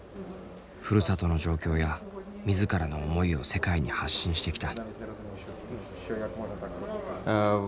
ふるさとの状況や自らの思いを世界に発信してきた。